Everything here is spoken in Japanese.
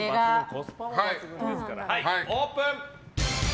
オープン！